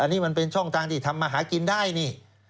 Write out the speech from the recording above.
อันนี้มันเป็นช่องทางที่ทำมาหากินได้นี่